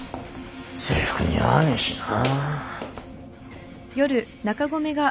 制服似合わねえしな。